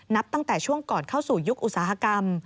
นับตั้งแต่ช่วงก่อนเข้าสู่ยุคอุตสาหกรรม